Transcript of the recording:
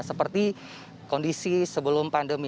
seperti kondisi sebelum pandemi